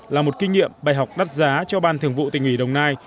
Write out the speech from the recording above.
là một kinh nghiệm bài học đắt giá cho ban thường vụ tỉnh ủy đồng nai